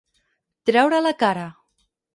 Treure la cara.